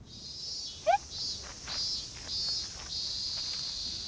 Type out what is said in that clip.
えっ？